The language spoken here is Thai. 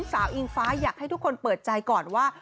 อิงฟ้าอยากให้ทุกคนเปิดใจก่อนว่า